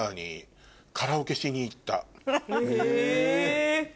え！